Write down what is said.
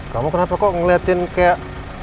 kamu kenapa kok ngeliatin kayak